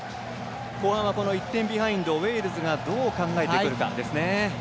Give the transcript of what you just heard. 後半は１点ビハインドウェールズがどう考えてくるか。